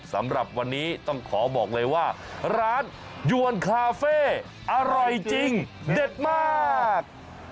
สำหรับวันนี้ต้องขอบอกเลยว่าร้านยวนคาเฟ่อร่อยจริงเด็ดมาก